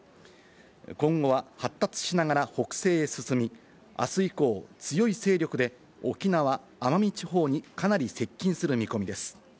今後は発達しながら北西へ進み、あす以降、強い勢力で沖縄・奄美地方にかなり接近する見込みです。